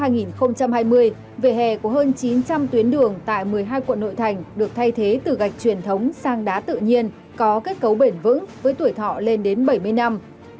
năm hai nghìn hai mươi vỉa hè của hơn chín trăm linh tuyến đường tại một mươi hai quận nội thành được thay thế từ gạch truyền thống sang đá tự nhiên có kết cấu bền vững với tuổi thọ lên đến bảy mươi năm